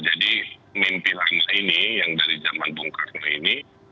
jadi mimpi lama ini yang dari zaman bung karno ini